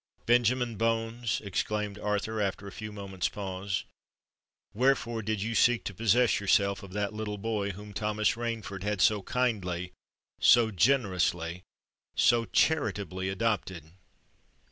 Benjamin Bones," exclaimed Arthur, after a few moments' pause, "wherefore did you seek to possess yourself of that little boy whom Thomas Rainford had so kindly—so generously—so charitably adopted?"